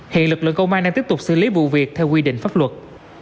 hiện lực lượng công an đang tiếp tục xử lý vụ việc theo quy định pháp luật